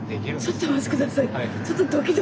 ちょっとお待ち下さいね。